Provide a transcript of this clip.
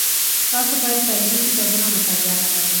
تاسو باید تاریخي کتابونه مطالعه کړئ.